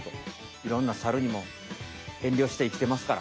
いろんなサルにもえんりょしていきてますから。